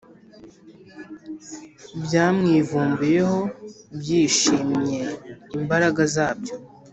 byamwivumbuyeho byishimye imbaraga zabyo